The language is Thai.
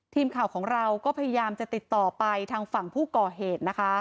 ทีมข่าวของเราก็พยายามจะติดต่อไปทางฝั่งผู้ก่อเหตุนะคะ